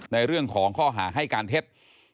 ในเรื่องของข้อหาให้การเท็จ